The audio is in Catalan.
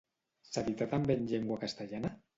S'edità també en llengua castellana?